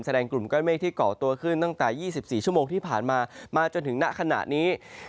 กลุ่มก้อนเมฆที่เกาะตัวขึ้นตั้งแต่๒๔ชั่วโมงที่ผ่านมามาจนถึงณขณะนี้